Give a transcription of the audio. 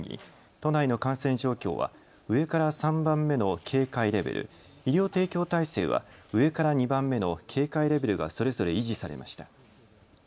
都内の感染状況は上から３番目の警戒レベル、医療提供体制は上から２番目の警戒レベルがそれぞれ維持されました。